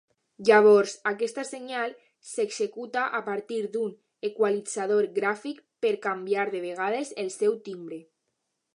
Llavors, questa senyal s'executa a partir d'un equalitzador gràfic per canviar de vegades el seu timbre.